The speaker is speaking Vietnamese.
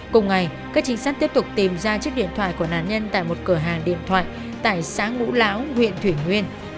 cùng ngày các trinh sát tiếp tục tìm ra chiếc điện thoại của nạn nhân tại một cửa hàng điện thoại tại xã ngũ láo huyện thủy nguyên